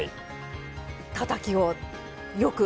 たたきをよく？